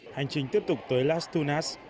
hành trình tiếp tục tới las tunas